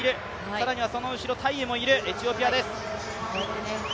更にはその後ろタイエもいるエチオピアです。